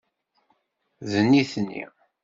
D nitni.